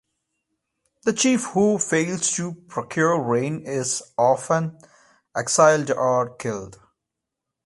The chief who fails to procure rain is often exiled or killed.